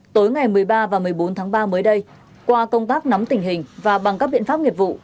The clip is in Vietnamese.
tối ngày một mươi ba và một mươi bốn tháng ba mới đây qua công tác nắm tình hình và bằng các biện pháp nghiệp vụ